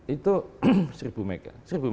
itu seribu megawatt